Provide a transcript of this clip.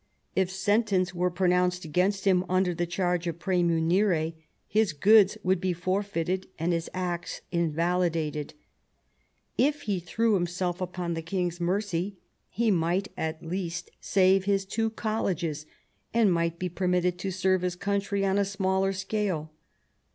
If sentence were pronoimced against him, under the charge of jprmmwnire, his goods would be forfeited, and his acts invalidated. If he threw himself upon the king's mercy he might at least save his two colleges, and might be permitted to serve his country on a smaller scale.